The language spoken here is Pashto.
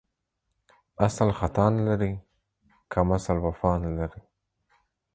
اسل ختا نه لري ، کمسل وفا نه لري.